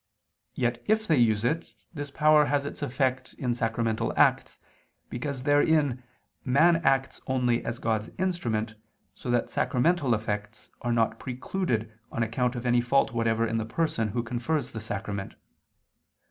Yet if they use it, this power has its effect in sacramental acts, because therein man acts only as God's instrument, so that sacramental effects are not precluded on account of any fault whatever in the person who confers the sacrament.